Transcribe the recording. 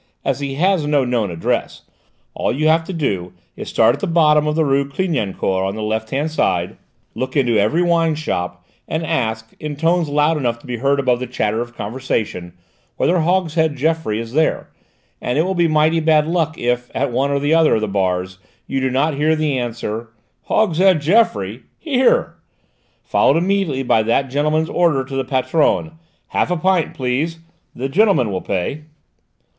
As he has no known address, all you have to do is to start at the bottom of the rue Clignancourt on the left hand side, look into every wineshop, and ask, in tones loud enough to be heard above the clatter of conversation, whether Hogshead Geoffroy is there, and it will be mighty bad luck if, at one or other of the bars, you do not hear the answer, "Hogshead Geoffroy? Here," followed immediately by that gentleman's order to the patronne: "Half a pint, please: the gentleman will pay!"